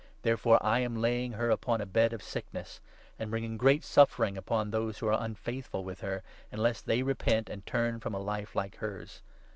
Therefore I 22 am laying her upon a bed of sickness, and bringing great suffering upon those who are unfaithful with her, unless they repent and turn from a life like hers.